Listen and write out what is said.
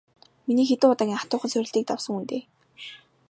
Миний хэдэн удаагийн хатуухан сорилтыг давсан хүн дээ.